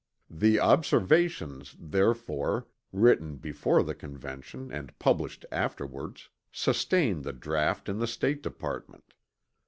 The Observations, therefore (written before the Convention and published afterwards), sustain the draught in the State Department.